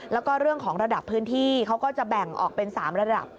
แล้วก็เรื่องของระดับพื้นที่เขาก็จะแบ่งออกเป็น๓ระดับ